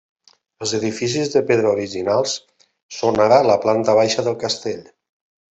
Els edificis de pedra originals són ara la planta baixa del castell.